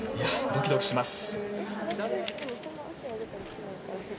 ドキドキします。